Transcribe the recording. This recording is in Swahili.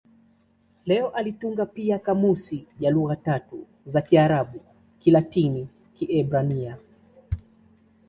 Leo alitunga pia kamusi ya lugha tatu za Kiarabu-Kilatini-Kiebrania.